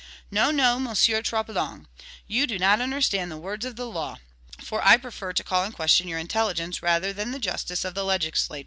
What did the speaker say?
No, no, Monsieur Troplong! you do not understand the words of the law; for I prefer to call in question your intelligence rather than the justice of the legislator.